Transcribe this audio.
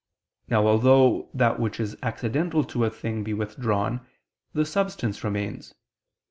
Now although that which is accidental to a thing be withdrawn, the substance remains.